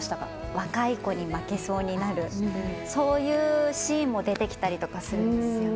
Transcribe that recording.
若い子に負けそうになる、そういうシーンも出てきたりとかするんですよね。